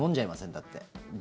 だって。